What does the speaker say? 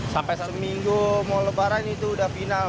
sampai seminggu mau lebaran itu udah final